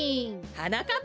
はなかっ